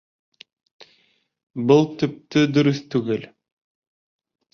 Был төптө дөрөҫ түгел.